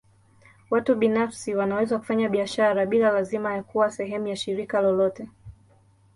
Watu binafsi wanaweza kufanya biashara bila lazima ya kuwa sehemu ya shirika lolote.